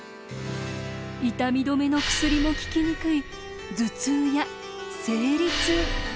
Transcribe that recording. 痛み止めの薬も効きにくい頭痛や生理痛。